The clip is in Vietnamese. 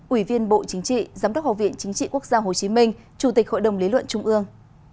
ủy viên bộ chính trị giám đốc học viện chính trị quốc gia hồ chí minh chủ tịch hội đồng lý luận trung ương